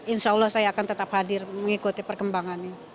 insya allah saya akan tetap hadir mengikuti perkembangannya